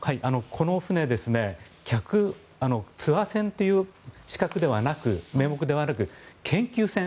この船、ツアー船という名目ではなく研究船。